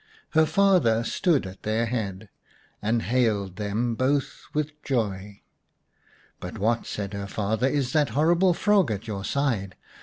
Her father stood at their head, and hailed them both with joy. " But what," said her father, " is that horrible frog at your side